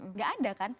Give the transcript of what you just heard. enggak ada kan